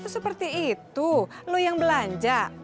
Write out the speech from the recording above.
seperti itu lo yang belanja